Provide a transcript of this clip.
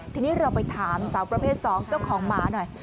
ทีนี้เราไปถามสาวประเภท๒เจ้าของหมาหน่อย